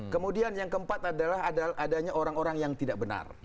kemudian yang keempat adalah adanya orang orang yang tidak benar